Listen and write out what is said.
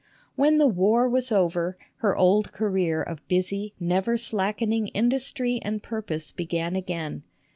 When the war was over, her old career of busy, never slackening industry and purpose began again.